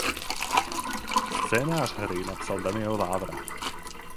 Scénář hry napsal Daniel Vávra.